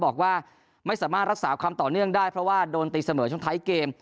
บอกว่าไม่สามารถรักษาความต่อเนื่องได้เพราะว่าโดนตีเสมอช่วงท้ายเกม